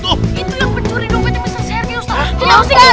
itu yang pencuri dompetnya mr sergi ustaz